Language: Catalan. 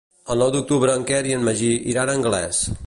El nou d'octubre en Quer i en Magí iran a Anglès.